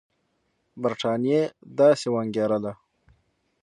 برټانیې داسې وانګېرله.